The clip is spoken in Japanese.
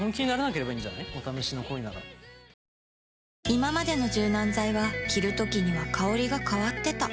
いままでの柔軟剤は着るときには香りが変わってた